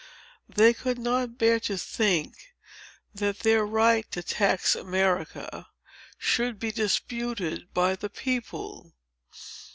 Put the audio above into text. They could not bear to think, that their right to tax America should be disputed by the people.